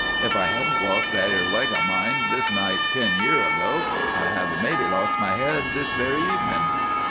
If I hadn't lost that ere leg of mine this night ten year ago, I'd have mebbe lost my head this very evening!